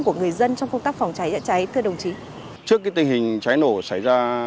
của người dân trong công tác phòng cháy chữa cháy thưa đồng chí trước tình hình cháy nổ xảy ra